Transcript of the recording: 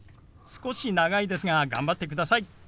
少し長いですが頑張ってください。